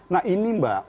nah ini mbak